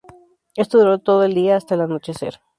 Esto duró todo el día hasta el anochecer.